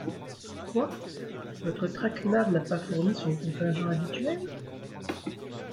Quoi ! votre traquenard n’a pas fourni son contingent habituel ?